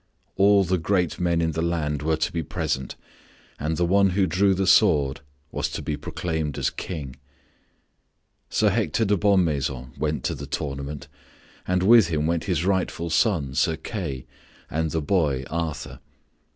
All the great men in the land were to be present and the one who drew the sword was to be proclaimed as King. Sir Hector de Bonmaison went to the tournament, and with him went his rightful son, Sir Kay, and the boy, Arthur.